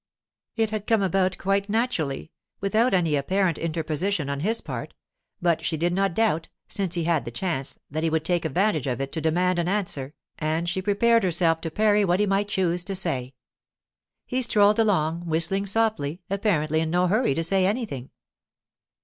It had come about quite naturally, without any apparent interposition on his part; but she did not doubt, since he had the chance, that he would take advantage of it to demand an answer, and she prepared herself to parry what he might choose to say. He strolled along, whistling softly, apparently in no hurry to say anything.